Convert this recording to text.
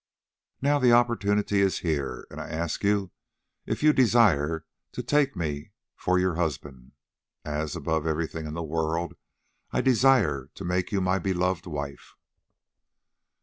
"Now the opportunity is here, and I ask you if you desire to take me for your husband, as, above everything in the world, I desire to make you my beloved wife."